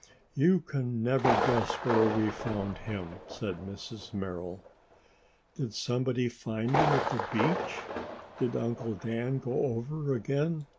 "You can never guess where we found him," said Mrs. Merrill. "Did somebody find him at the beach? Did Uncle Dan go over again?"